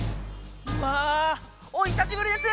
「わあおひさしぶりです！」。